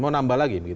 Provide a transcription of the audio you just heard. mau nambah lagi